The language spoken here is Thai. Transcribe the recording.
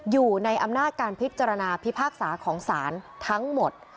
อยู่ในอำนาจการพิจารณาพิพากษาของศาลทั้งหมด